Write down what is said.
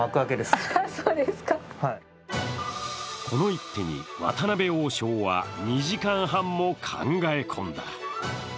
この一手に渡辺王将は２時間半も考え込んだ。